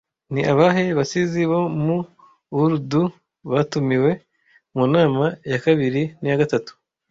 Ni abahe basizi bo mu Urdu batumiwe, mu nama ya kabiri n'iya gatatu